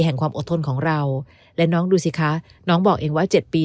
ความอดทนของเราและน้องดูสิคะน้องบอกเองว่า๗ปี